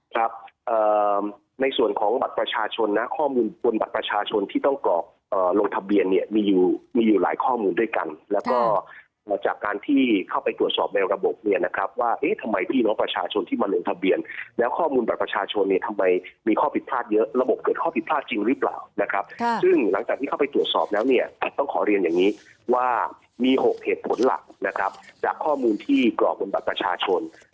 ครับในส่วนของบัตรประชาชนนะข้อมูลบัตรประชาชนที่ต้องกรอกลงทะเบียนเนี่ยมีอยู่หลายข้อมูลด้วยกันแล้วก็จากการที่เข้าไปตรวจสอบในระบบเนี่ยนะครับว่าเอ๊ะทำไมพี่น้องประชาชนที่มาลงทะเบียนแล้วข้อมูลบัตรประชาชนเนี่ยทำไมมีข้อผิดพลาดเยอะระบบเกิดข้อผิดพลาดจริงหรือเปล่านะครับซึ่งห